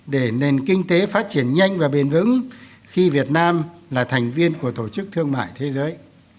để nền kinh tế phát triển nhanh và bền vững khi việt nam là thành viên của tổ chức thương mại thế giới